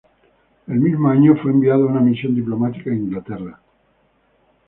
El mismo año, fue enviado en una misión diplomática a Inglaterra.